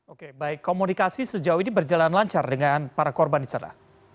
oke baik komunikasi sejauh ini berjalan lancar dengan para korban di sana